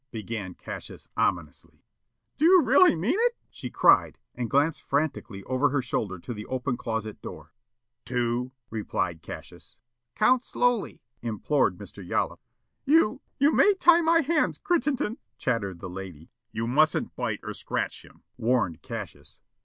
began Cassius ominously. "Do you really mean it?" she cried, and glanced frantically over her shoulder at the open closet door. "Two," replied Cassius. "Count slowly," implored Mr. Yollop. "You you may tie my hands, Critt Crittenden, " chattered the lady. "You mustn't bite or scratch him," warned Cassius.